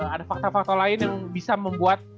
ada fakta fakta lain yang bisa membuat